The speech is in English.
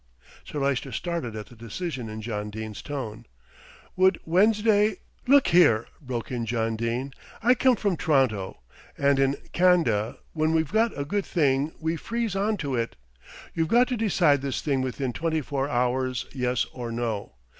Sir Lyster started at the decision in John Dene's tone. "Would Wednesday " "Look here," broke in John Dene, "I come from T'ronto, and in Can'da when we've got a good thing we freeze on to it. You've got to decide this thing within twenty four hours, yes or no.